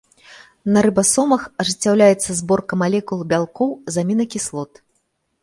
На рыбасомах ажыццяўляецца зборка малекул бялкоў з амінакіслот.